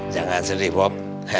jangan sedih bob